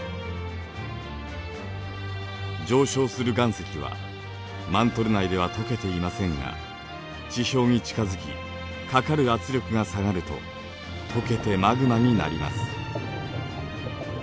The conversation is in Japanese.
上昇する岩石はマントル内ではとけていませんが地表に近づきかかる圧力が下がるととけてマグマになります。